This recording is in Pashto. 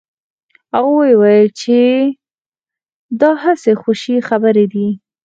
او ويل به يې چې دا هسې خوشې خبرې دي.